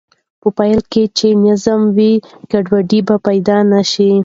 په پایله کې چې نظم وي، ګډوډي به پیدا نه شي.